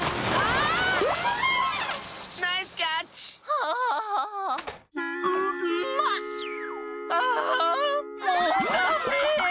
はあもうダメ。